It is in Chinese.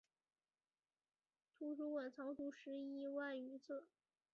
图书馆藏书十一万余册。